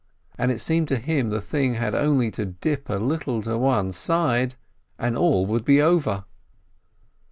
And it seemed to him the thing had only to dip a little to one side, and all would be over.